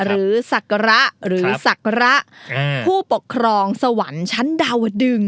ศักระหรือศักระผู้ปกครองสวรรค์ชั้นดาวดึง